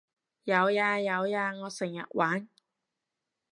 有呀有呀我成日玩